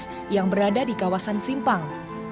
sebelum diberi ruang tamu rumah ini tidak pernah ditinggali